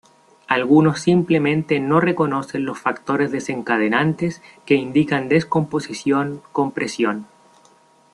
Algunos simplemente no reconocen los factores desencadenantes que indican descomposición comprensión.